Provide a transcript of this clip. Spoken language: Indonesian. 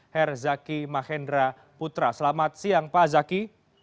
herzaki mahendra putra selamat siang pak zaki